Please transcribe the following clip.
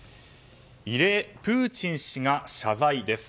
異例、プーチン氏が謝罪です。